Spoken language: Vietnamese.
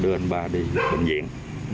đưa anh ba đi bệnh viện